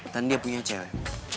dan dia punya cewek